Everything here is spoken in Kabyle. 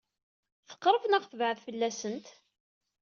Teqṛeb neɣ tebɛed fell-asent?